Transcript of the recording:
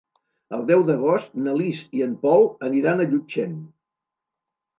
El deu d'agost na Lis i en Pol aniran a Llutxent.